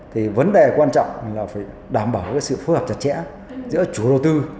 thì vấn đề quan trọng là phải đảm bảo sự phù hợp chặt chẽ giữa chủ đầu tư